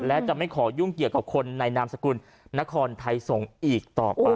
และจะไม่ขอยุ่งเกี่ยวกับคนในนามสกุลนครไทยสงฆ์อีกต่อไป